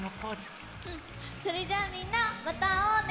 それじゃあみんなまたあおうね！